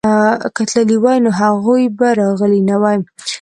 که تللي وای نو هغوی به راغلي نه وای.